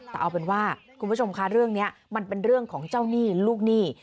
แต่เอาเป็นว่าคุณผู้ชมคะเรื่องนี้มันเป็นเรื่องของเจ้าหนี้ลูกหนี้